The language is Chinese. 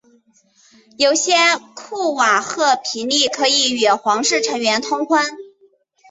有些库瓦赫皮利可以与皇室成员通婚。